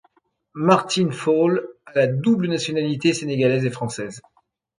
Martin Fall a la double nationalité sénégalaise et française.